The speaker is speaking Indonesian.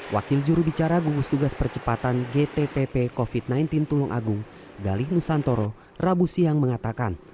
wakil jurubicara gugus tugas percepatan gtpp covid sembilan belas tulung agung galih nusantoro rabu siang mengatakan